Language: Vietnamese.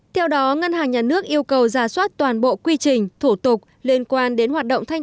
theo đó ngân hàng nhà nước yêu cầu giả soát toàn bộ quy trình thủ tục liên quan đến hoạt động thanh